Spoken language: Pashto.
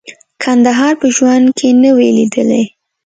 کندهار په ژوند کې نه وې لیدلي.